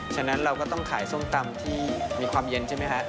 ฉะนั้นเราก็ต้องขายส้มตำที่มีความเย็นใช่ไหมฮะ